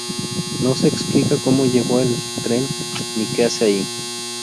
No se explica cómo llego al tren ni que hace ahí.